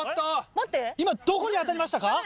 今どこに当たりましたか？